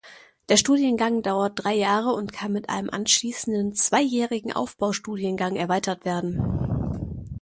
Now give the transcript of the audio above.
Der Studiengang dauert drei Jahre und kann mit einem anschließenden zweijährigen Aufbaustudiengang erweitert werden.